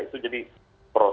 itu jadi prospektifnya